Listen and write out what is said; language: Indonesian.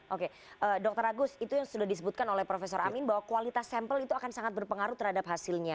oke dr agus itu yang sudah disebutkan oleh prof amin bahwa kualitas sampel itu akan sangat berpengaruh terhadap hasilnya